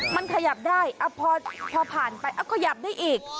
มันขยับได้พอผ่านไปขยับได้อีก